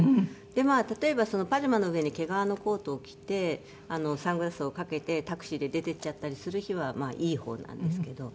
でまあ例えばパジャマの上に毛皮のコートを着てサングラスをかけてタクシーで出て行っちゃったりする日はまあいい方なんですけど。